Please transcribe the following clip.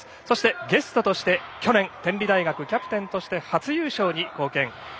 そして、ゲストとして去年天理大学キャプテンとして初優勝に貢献。